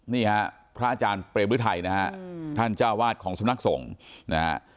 นี่ฮะพระอาจารย์เปรมฤทัยนะฮะท่านเจ้าวาดของสำนักสงฆ์นะฮะ